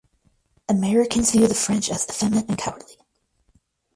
Americans view the French as effeminate and cowardly.